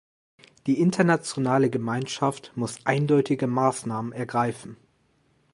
Die internationale Gemeinschaft muss eindeutige Maßnahmen ergreifen.